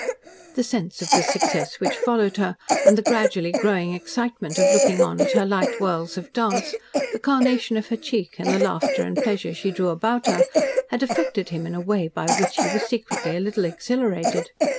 The sense of the success which followed her, and the gradually growing excitement of looking on at her light whirls of dance, the carnation of her cheek, and the laughter and pleasure she drew about her, had affected him in a way by which he was secretly a little exhilarated.